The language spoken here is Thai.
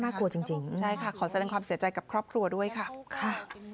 กลัวจริงจริงใช่ค่ะขอแสดงความเสียใจกับครอบครัวด้วยค่ะ